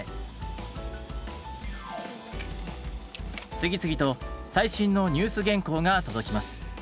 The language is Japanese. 次々と最新のニュース原稿が届きます。